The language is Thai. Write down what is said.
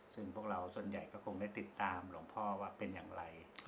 ซึ่งพวกเราส่วนใหญ่ก็คงได้ติดตามหลวงพ่อว่าเป็นอย่างไร